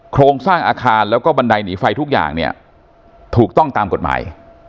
โครงสร้างอาคารแล้วก็บันไดหนีไฟทุกอย่างเนี่ยถูกต้องตามกฎหมาย